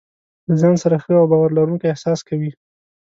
له ځان سره ښه او باور لرونکی احساس کوي.